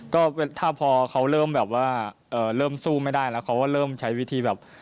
ก็ถ้าพอเขาเริ่มแบบว่าเริ่มสู้ไม่ได้แล้วเขาก็เริ่มใช้วิธีแบบ